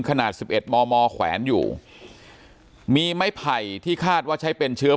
ขนาดสิบเอ็ดมมแขวนอยู่มีไม้ไผ่ที่คาดว่าใช้เป็นเชื้อ